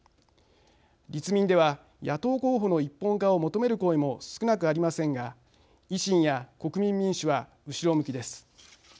立民では野党候補の一本化を求める声も少なくありませんが維新や国民民主は後ろ向きです。